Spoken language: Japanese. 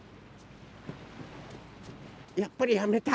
やっぱりやめた。